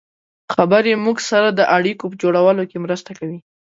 خبرې موږ سره د اړیکو په جوړولو کې مرسته کوي.